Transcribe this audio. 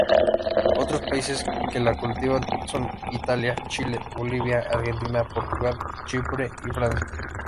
Otros países que la cultivan son: Italia, Chile, Bolivia, Argentina, Portugal, Chipre, y Francia.